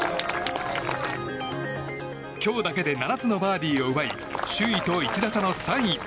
今日だけで７つのバーディーを奪い首位と１打差の３位。